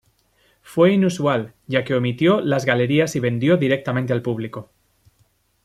Fue inusual, ya que omitió las galerías y vendió directamente al público.